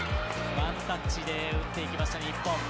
ワンタッチで打っていきました日本。